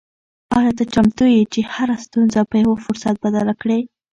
آیا ته چمتو یې چې هره ستونزه په یو فرصت بدله کړې؟